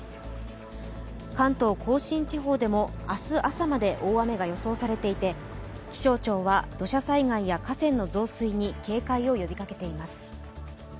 関東甲信地方でも明日朝まで大雨が予想されていて、気象庁は土砂災害や河川の増水に警戒を呼びかけています。